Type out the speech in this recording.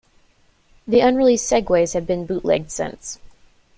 The unreleased segues have been bootlegged since.